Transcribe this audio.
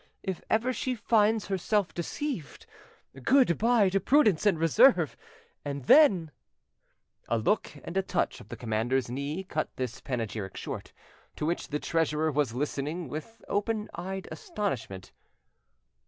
If ever she finds herself deceived, good bye to prudence and reserve, and then—" A look and a touch of the commander's knee cut this panegyric short, to which the treasurer was listening with open eyed astonishment.